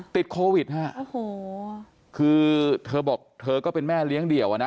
ติดโควิดคือเธอบอกเธอก็เป็นแม่เลี้ยงเดี่ยวนะ